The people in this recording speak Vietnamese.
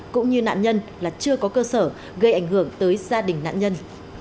cũng như nạn nhân là chưa có cơ sở gây ảnh hưởng tới gia đình nạn nhân